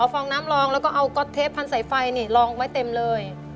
เอาฟองน้ำลองแล้วก็เอากอทเทพพันธ์ไฟรองไว้เต็มเลย